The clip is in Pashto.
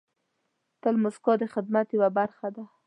تل موسکا د خدمت یوه برخه ده.